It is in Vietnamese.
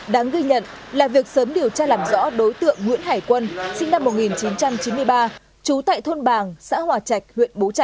đáng ghi nhận là việc sớm điều tra làm rõ đối tượng nguyễn hải quân sinh năm một nghìn chín trăm chín mươi ba